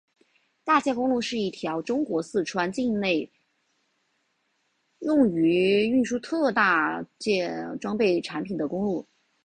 大件公路是一条中国四川省境内用于运输特大件装备产品的公路。